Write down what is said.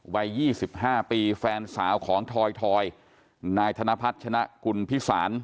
วัย๒๕ปีแฟนสาวของทอยนายธนพัฒน์ชนะกุลพิสาร